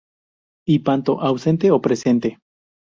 Hipanto ausente o presente.